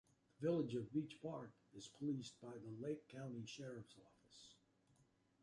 The village of Beach Park is policed by the Lake County Sheriff's Office.